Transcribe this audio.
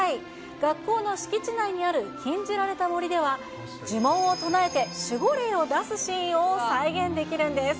学校の敷地内にある禁じられた森では、呪文を唱えて守護霊を出すシーンを再現できるんです。